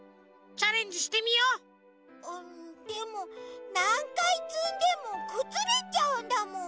あでもなんかいつんでもくずれちゃうんだもん。